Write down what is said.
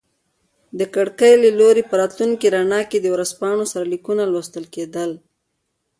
د کړکۍ له لوري په راتلونکي رڼا کې د ورځپاڼو سرلیکونه لوستل کیدل.